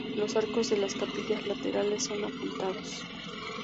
Los arcos de las capillas laterales son apuntados.